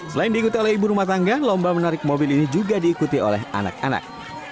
selain diikuti oleh ibu rumah tangga lomba menarik mobil ini juga diikuti oleh anak anak